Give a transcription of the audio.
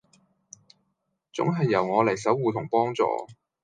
總係由我嚟守護同幫助